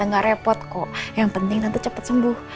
gak cepet kok yang penting tante cepet sembuh